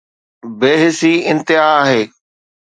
بي حسي انتها آهي.